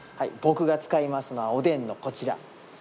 僕が使いますのはおでんのこちら。